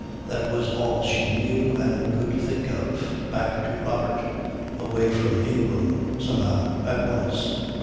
That was all she knew and could think of. Back to Robert. Away from Ingram. Somehow. At once.